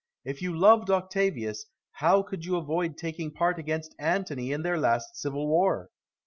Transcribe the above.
If you loved Octavius, how could you avoid taking part against Antony in their last civil war?